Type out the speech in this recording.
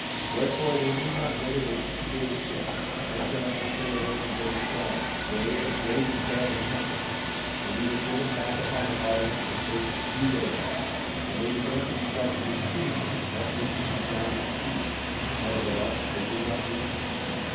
18:13 Wherefore, they knew not whither they should steer the ship, insomuch that there arose a great storm, yea, a great and terrible tempest, and we were driven back upon the waters for the space of three days; and they began to be frightened exceedingly lest they should be drowned in the sea; nevertheless they did not loose me.